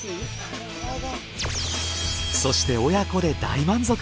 そして親子で大満足。